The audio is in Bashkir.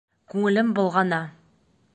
Күңелем болғана.